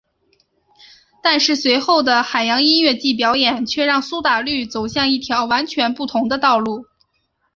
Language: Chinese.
但是随后的海洋音乐季表演却让苏打绿走向一条完全不同的道路。